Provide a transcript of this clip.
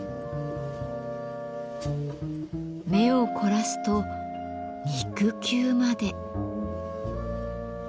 目を凝らすと肉球まで。